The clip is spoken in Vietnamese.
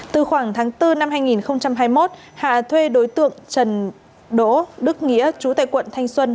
từ khoảng tháng bốn năm hai nghìn hai mươi một hà thuê đối tượng trần đỗ đức nghĩa chú tại quận thanh xuân